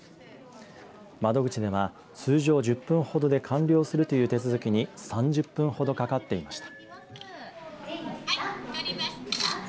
窓口では通常１０分ほどで完了するという手続きに３０分ほどかかっていました。